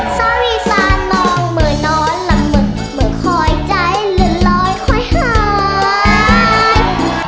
ซ้อนวีซานมองเหมือนนอนลำมึกเหมือนคอยใจหลื่นรอยคอยหาย